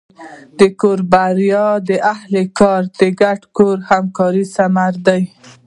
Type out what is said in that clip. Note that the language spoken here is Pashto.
د کور بریا د اهلِ کور د ګډ کار او همکارۍ ثمره ده.